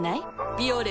「ビオレ」